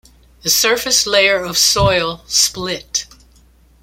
The surface layer of soil split.